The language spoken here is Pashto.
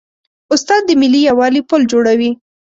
استاد د ملي یووالي پل جوړوي.